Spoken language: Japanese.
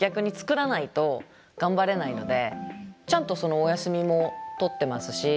ちゃんとお休みも取ってますし。